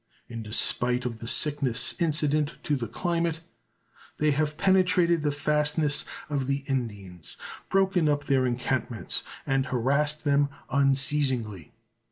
In despite of the sickness incident to the climate, they have penetrated the fastnesses of the Indians, broken up their encampments, and harassed them unceasingly.